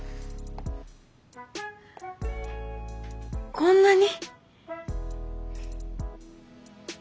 こんなに！